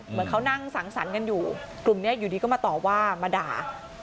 เหมือนเขานั่งสังสรรค์กันอยู่กลุ่มนี้อยู่ดีก็มาต่อว่ามาด่า